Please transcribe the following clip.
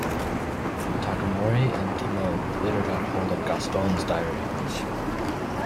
Takamori and Tomoe later get hold of Gaston's diary.